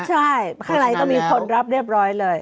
ใช่ข้างในก็มีคนรับเรียบร้อยเลย